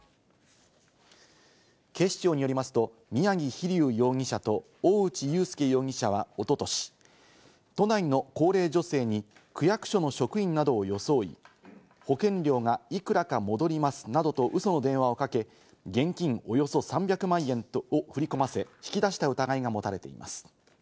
警視庁によりますと、宮城飛竜容疑者と大内悠佑容疑者はおととし、都内の高齢女性に区役所の職員などを装い、保険料がいくらか戻りますなどと、ウソの電話をかけ、現金およそ３００万円を振り込ませ、引き出した疑いが持たれています。